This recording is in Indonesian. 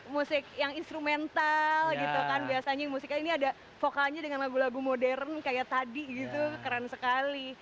musik yang instrumental gitu kan biasanya musiknya ini ada vokalnya dengan lagu lagu modern kayak tadi gitu keren sekali